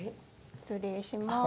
失礼します。